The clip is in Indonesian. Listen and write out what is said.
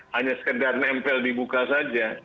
hanya sekedar nempel di muka saja